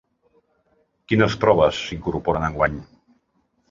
Quines proves s’incorporen enguany?